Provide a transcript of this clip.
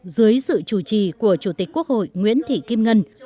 dưới sự chủ trì của chủ tịch quốc hội nguyễn thị kim ngân